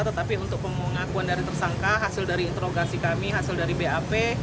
tetapi untuk pengakuan dari tersangka hasil dari interogasi kami hasil dari bap